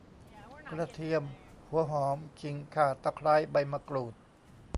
กระเทียม หัวหอม ขิง ข่า ตะไคร้ ใบมะกรูด